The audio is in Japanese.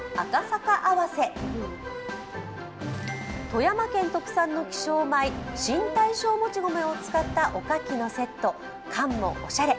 富山県特産の希少米、新大正もち米を使ったおかきのセット缶もおしゃれ。